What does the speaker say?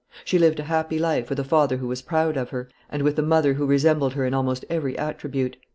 She lived a happy life with a father who was proud of her, and with a mother who resembled her in almost every attribute.